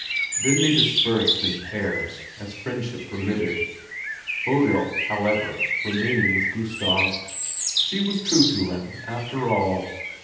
Then they dispersed, in pairs, as friendship permitted, Bodil, however, remaining with Gustav. She was true to him after all.